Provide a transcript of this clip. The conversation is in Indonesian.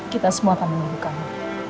kita semua akan menunggu kamu